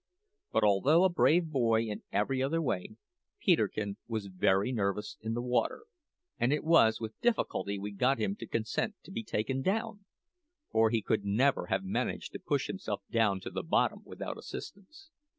But although a brave boy in every other way, Peterkin was very nervous in the water; and it was with difficulty we got him to consent to be taken down, for he could never have managed to push himself down to the bottom without assistance.